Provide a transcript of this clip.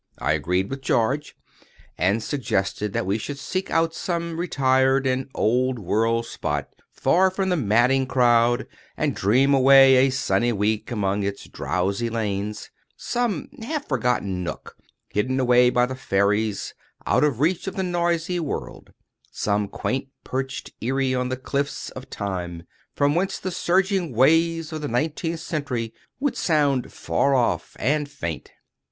I agreed with George, and suggested that we should seek out some retired and old world spot, far from the madding crowd, and dream away a sunny week among its drowsy lanes—some half forgotten nook, hidden away by the fairies, out of reach of the noisy world—some quaint perched eyrie on the cliffs of Time, from whence the surging waves of the nineteenth century would sound far off and faint.